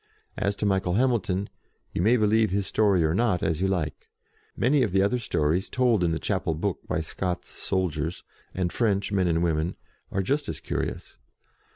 As to Michael Hamilton, you may be lieve his story or not, as you like. Many of the other stories told in the chapel book by Scots soldiers, and French men and women, are just as curious.